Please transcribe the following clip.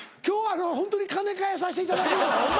今日はホントに金返させていただきます。